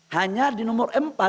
hanya di nomor empat